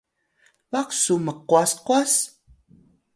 baq su mqwas qwas?